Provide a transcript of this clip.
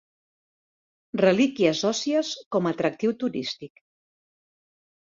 Relíquies òssies com a atractiu turístic.